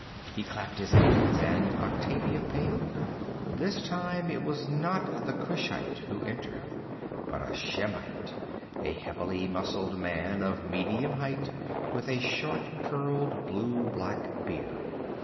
He clapped his hands, and Octavia paled. This time it was not the Kushite who entered, but a Shemite, a heavily muscled man of medium height with a short, curled, blue black beard.